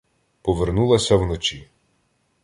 Повернулася вночі.